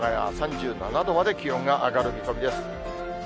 熊谷３７度まで気温が上がる見込みです。